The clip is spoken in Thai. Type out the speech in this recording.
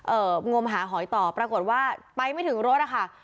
งมหาหอยต่อปรากฏว่าไปไม่ถึงรถอะค่ะ